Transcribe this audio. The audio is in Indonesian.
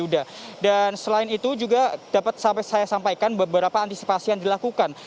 dan selain itu juga dapat saya sampaikan beberapa antisipasi yang dilakukan